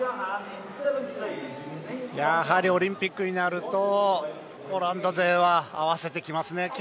やはりオリンピックになるとオランダ勢は合わせてきますよね。